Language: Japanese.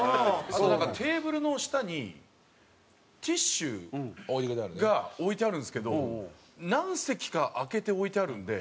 あとなんかテーブルの下にティッシュが置いてあるんですけど何席か空けて置いてあるんで。